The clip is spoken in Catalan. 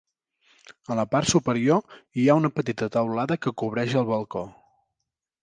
En la part superior hi ha una petita teulada que cobreix el balcó.